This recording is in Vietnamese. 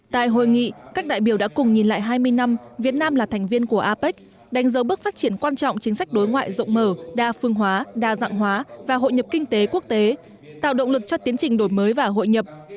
tại hội nghị các đại biểu đã cùng nhìn lại hai mươi năm việt nam là thành viên của apec đánh dấu bước phát triển quan trọng chính sách đối ngoại rộng mở đa phương hóa đa dạng hóa và hội nhập kinh tế quốc tế tạo động lực cho tiến trình đổi mới và hội nhập